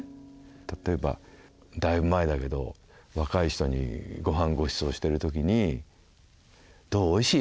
例えばだいぶ前だけど若い人にごはんごちそうしてる時に「どう？おいしい？